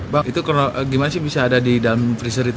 bang bagaimana bisa ada di dalam freezer